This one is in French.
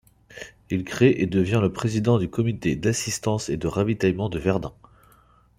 Il crée et devient le président du Comité d’Assistance et de Ravitaillement de Verdun.